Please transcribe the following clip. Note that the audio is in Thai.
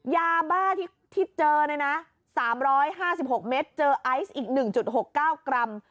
ยาบ้าที่เจอ๓๕๖เม็ดเจอไอศ์อีก๑๖๙กรัม